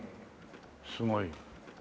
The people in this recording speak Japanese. すごい。